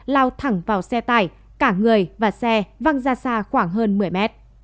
lao thẳng vào xe tải cả người và xe văng ra xa khoảng hơn một mươi mét